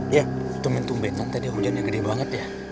ya tumintung betong tadi hujannya gede banget ya